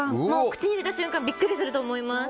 口に入れた瞬間びっくりすると思います。